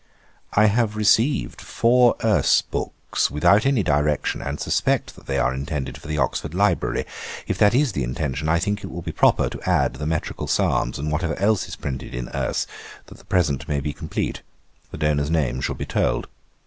'I have received four Erse books, without any direction, and suspect that they are intended for the Oxford library. If that is the intention, I think it will be proper to add the metrical psalms, and whatever else is printed in Erse, that the present may be complete. The donor's name should be told.